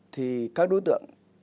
thì các đối tượng